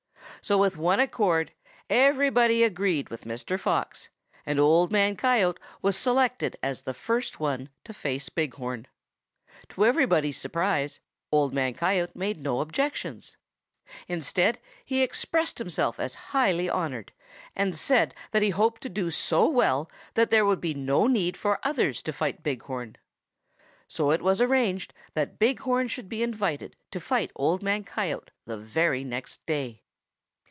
So with one accord everybody agreed with Mr. Fox, and Old Man Coyote was selected as the first one to face Big Horn. To everybody's surprise, Old Man Coyote made no objections. Instead he expressed himself as highly honored, and said that he hoped to do so well that there would be no need for others to fight Big Horn. So it was arranged that Big Horn should be invited to fight Old Man Coyote the very next day.